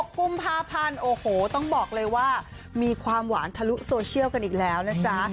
กุมภาพันธ์โอ้โหต้องบอกเลยว่ามีความหวานทะลุโซเชียลกันอีกแล้วนะจ๊ะ